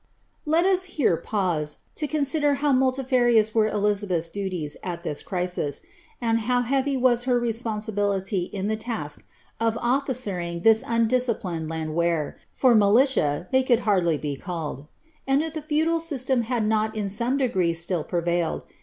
Let US here pause, to consider how muliirarious were Elizabeth's dn lies at this crisis, and how heavv was her responsibility in the ta^k I'f officering this undisciplined landicehr. for mi/ilia ihcy could scarcely hf called; and if the feudal system had not in some degree slill prerailcc!.